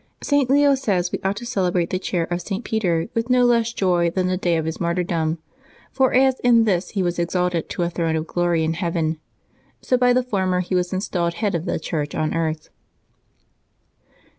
St. Leo says we ought to celebrate the chair of St. Februaby 23] LIVES OF THE SAINTS 83 Peter with no less joy than the day of his martyrdom; for as in this he was exalted to a throne of glory in heaven, so by the former he was installed head of the Church on earth.